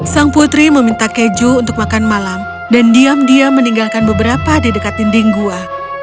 sang putri meminta keju untuk makan malam dan diam diam meninggalkan beberapa di dekat dinding gua